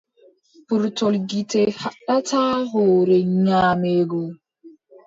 Purtol gite haɗataa hoore nyaameego.